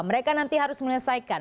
mereka nanti harus menyelesaikan